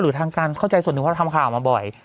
หรือทั้งการเข้าใจส่วนถึงเพราะทำข่าวมาบ่อย